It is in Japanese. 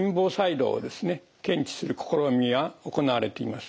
検知する試みが行われています。